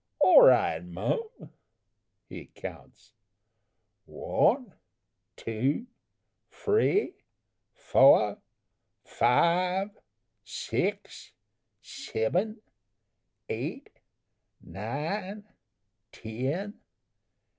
"All right, mum." He counts: "One, two, free, foah, five, six, seben, eight, nine, ten.